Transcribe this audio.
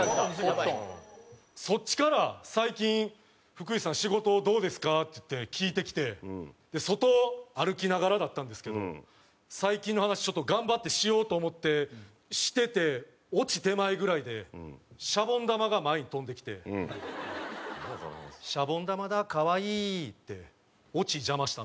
そっちから「最近福井さん仕事どうですか？」って言って聞いてきて外歩きながらだったんですけど最近の話ちょっと頑張ってしようと思ってしててオチ手前ぐらいでシャボン玉が前に飛んできて「シャボン玉だ。可愛い」ってオチ邪魔したな。